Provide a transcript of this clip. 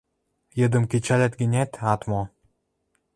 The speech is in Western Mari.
Йыдым кӹчӓлӓт гӹнят, ат мо.